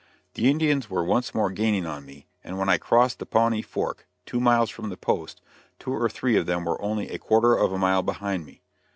The Indians were once more gaining on me, and when I crossed the Pawnee Fork, two miles from the post, two or three of them were only a quarter of a mile behind me.